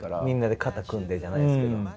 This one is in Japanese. みんなで肩組んでじゃないですけど。